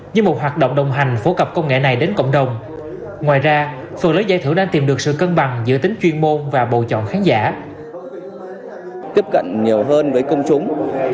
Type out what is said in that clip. như một hoạt động đồng hành phổ cập công nghệ này đến cộng đồng